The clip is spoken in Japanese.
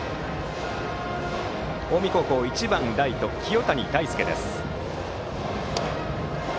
近江高校、１番ライト清谷大輔です。